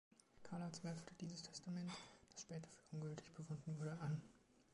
Karla zweifelte dieses Testament, das später für ungültig befunden wurde, an.